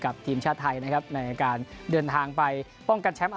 ทีมชาติไทยนะครับในการเดินทางไปป้องกันแชมป์